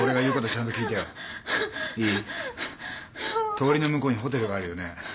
通りの向こうにホテルがあるよね。